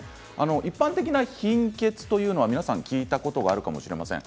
一般的な貧血というのは皆さん聞いたことがあるかもしれません。